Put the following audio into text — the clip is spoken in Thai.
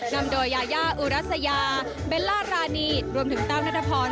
นำโดยยายาอุรัสยาเบลล่ารานีรวมถึงแต้วนัทพร